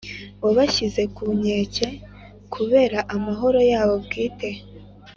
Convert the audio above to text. wabashyize ku nkeke kubera amahano yabo bwite.